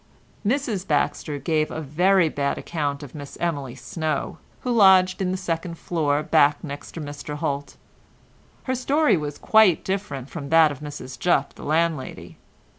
Mrs Baxter gave a very bad account of Miss Emily Snow, who lodged in the second floor back next to Mr Holt. Her story was quite different from that of Mrs Jupp the landlady.